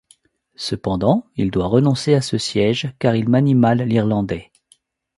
Cependant, il doit renoncer à ce siège, car il manie mal l'irlandais.